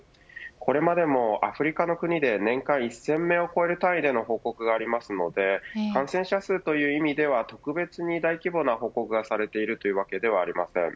これまでもアフリカの国で年間１０００名を超える単位での報告がありますので感染者数という意味では特別に大規模な報告がされているわけではありません。